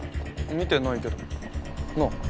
見てないけど。なあ？ああ。